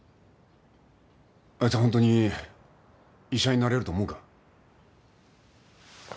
あいつはホントに医者になれると思うか？